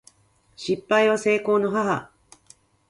失敗は成功の母